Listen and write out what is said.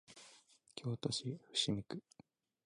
京都市伏見区